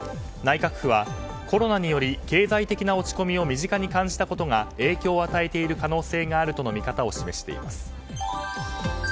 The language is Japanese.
内閣府は、コロナにより経済的な落ち込みを身近に感じたことが影響を与えている可能性があるとの見方を示しています。